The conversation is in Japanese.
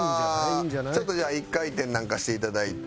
ちょっとじゃあ１回転なんかしていただいて。